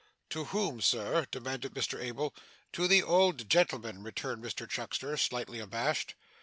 'To whom, Sir?' demanded Mr Abel. 'To the old gentleman,' returned Mr Chuckster, slightly abashed.